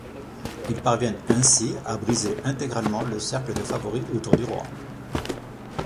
Ils parviennent ainsi à briser intégralement le cercle de favoris autour du roi.